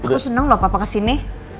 aku seneng lho papa kesini